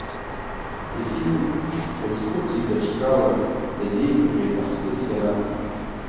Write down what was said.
Ефим дазхәыцит даҽакала, дагьеигәырӷьеит ахҭыс иара…